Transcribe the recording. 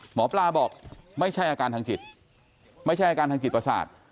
หมอปลาบอกไม่ใช่อาการทางจิตไม่ใช่อาการทางจิตประสาท